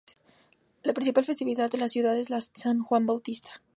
La principal festividad de la ciudad es la de San Juan Bautista.